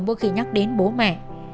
mỗi khi nhắc đến bố mẹ